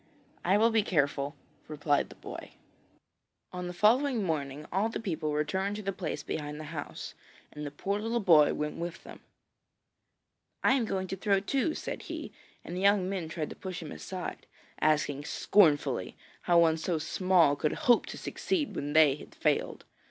'I will be careful,' replied the boy. On the following morning all the people returned to the place behind the house, and the poor little boy went with them. 'I am going to throw, too,' said he, and the young men tried to push him aside, asking scornfully how one so small could hope to succeed when they had failed.